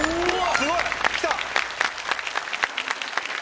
すごい！来た！